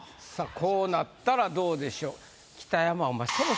こうなったらどうでしょう？